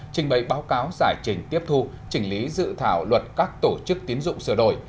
trình bày báo cáo giải trình tiếp thu trình lý dự thảo luật các tổ chức tiến dụng sửa đổi